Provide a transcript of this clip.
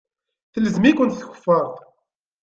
Telzem-ikent tkeffart.